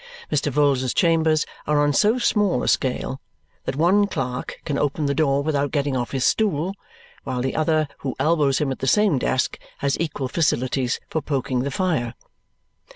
Mr. Vholes's chambers are on so small a scale that one clerk can open the door without getting off his stool, while the other who elbows him at the same desk has equal facilities for poking the fire.